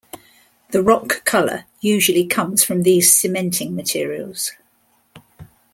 The rock color usually comes from these cementing materials.